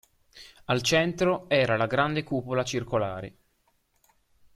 Al centro era la grande cupola circolare.